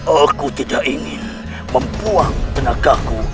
aku tidak ingin membuang tenagaku